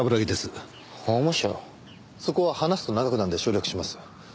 そこは話すと長くなるので省略します。